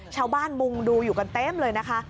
ชาวบ้านมุงดูอยู่กันเต็มเลยนะคะ